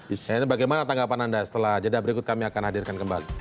ini bagaimana tanggapan anda setelah jeda berikut kami akan hadirkan kembali